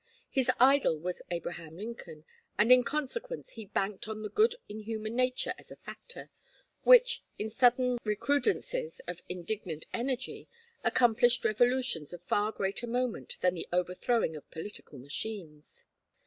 His idol was Abraham Lincoln, and in consequence he "banked" on the good in human nature as a factor, which, in sudden recrudescences of indignant energy, accomplished revolutions of far greater moment than the overthrowing of political machines.